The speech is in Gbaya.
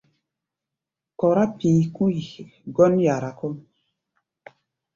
Kɔrá pi̧i̧ kui gɔ́n yara kɔ́ʼm.